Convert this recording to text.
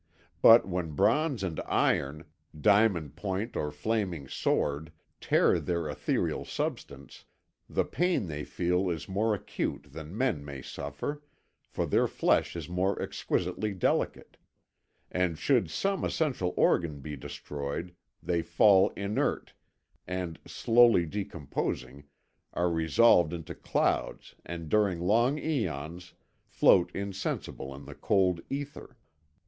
But when bronze and iron, diamond point or flaming sword tear their ethereal substance, the pain they feel is more acute than men may suffer, for their flesh is more exquisitely delicate; and should some essential organ be destroyed, they fall inert and, slowly decomposing, are resolved into clouds and during long æons float insensible in the cold ether.